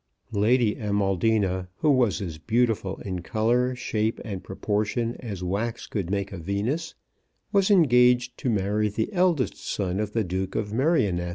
Lady Amaldina, who was as beautiful in colour, shape, and proportion as wax could make a Venus, was engaged to marry the eldest son of the Duke of Merioneth.